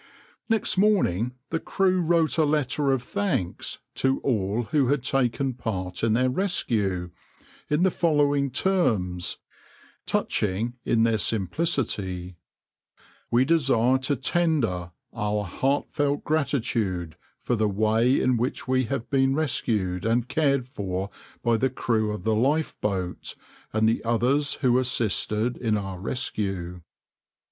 \par Next morning the crew wrote a letter of thanks to all who had taken part in their rescue, in the following terms, touching in their simplicity, \par "We desire to tender our heartfelt gratitude for the way in which we have been rescued and cared for by the crew of the lifeboat, and the others who assisted in our rescue."